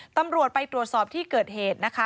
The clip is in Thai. ตำรวจไปตรวจสอบที่เกิดเหตุนะคะ